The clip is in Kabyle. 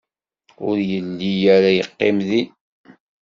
Ur yelli ara yeqqim din.